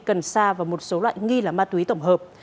cần sa và một số loại nghi là ma túy tổng hợp